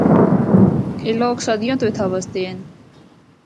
اے لوگ صدیاں تو اِتھا بسے دے ہن۔